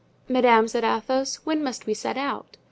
"Madame," said Athos, "when must we set out?"